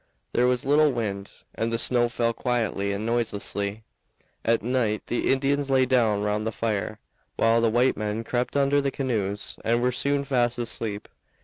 There was little wind, and the snow fell quietly and noiselessly. At night the Indians lay down round the fire, while the white men crept under the canoes and were soon fast asleep.